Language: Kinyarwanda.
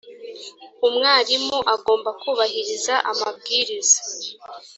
umwarimu agomba kubahiriza amabwiriza